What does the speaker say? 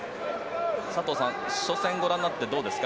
佐藤さん、初戦をご覧になってどうですか